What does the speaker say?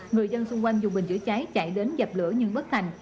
người dân xung quanh dùng bình chữa cháy chạy đến dập lửa nhưng bất thành